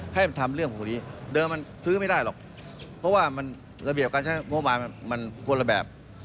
ให้มันทำเรื่องพวกนี้เดิมมันซื้อไม่ได้หรอกเพราะว่ามันระเบียบการใช้งบประมาณมันคนละแบบ